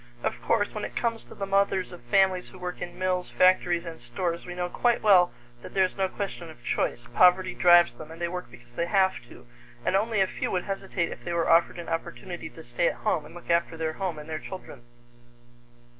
Of course, when it comes to the mothers of families who work in mills, factories, and stores, we know quite well that there is no question of choice poverty drives them, and they work because they have to, and only a few would hesitate if they were offered an opportunity to stay at home and look after their home and their children.